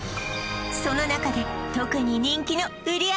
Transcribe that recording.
その中で特に人気の売上